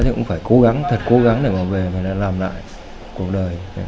thì cũng phải cố gắng thật cố gắng để mà về làm lại cuộc đời